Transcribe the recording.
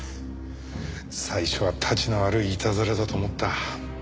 最初はたちの悪いいたずらだと思った。